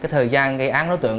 thời gian gây án đối tượng